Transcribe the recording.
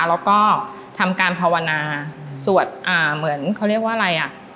แล้วก็ทำการภาวนาสวดอ่าเหมือนเขาเรียกว่าอะไรอ่ะ